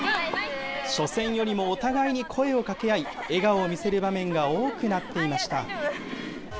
初戦よりもお互いに声をかけ合い、笑顔を見せる場面が多くなっていました。